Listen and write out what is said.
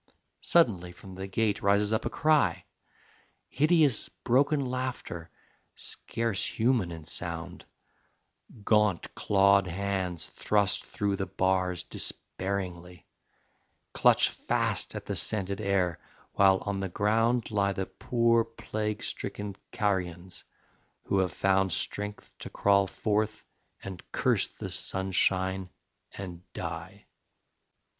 Suddenly from the gate rises up a cry, Hideous broken laughter, scarce human in sound; Gaunt clawed hands, thrust through the bars despairingly, Clutch fast at the scented air, while on the ground Lie the poor plague stricken carrions, who have found Strength to crawl forth and curse the sunshine and die.